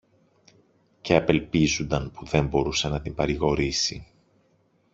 και απελπίζουνταν που δεν μπορούσε να την παρηγορήσει.